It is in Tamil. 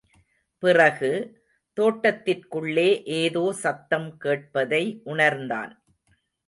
பிறகு, தோட்டத்திற்குள்ளே ஏதோ சத்தம் கேட்பதை உணர்ந்தான்.